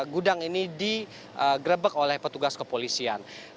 gudang ini digrebek oleh petugas kepolisian